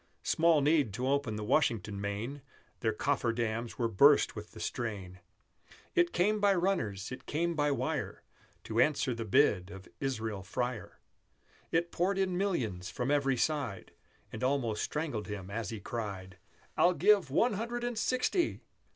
Small need to open the Washington main, Their coffer dams were burst with the strain! It came by runners, it came by wire, To answer the bid of Israel Freyer, It poured in millions from every side, And almost strangled him as he cried, "I'll give One Hundred and Sixty!"